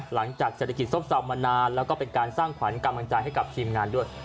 หลังจากเศรษฐกิจซบเซามานานแล้วก็เป็นการสร้างขวัญกำลังใจให้กับทีมงานด้วย